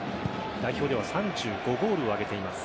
代表では３５ゴールを挙げています。